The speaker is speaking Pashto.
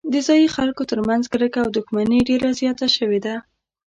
د ځايي خلکو ترمنځ کرکه او دښمني ډېره زیاته شوې ده.